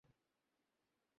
শুনিয়া চমকিয়া মুখ তুলিল।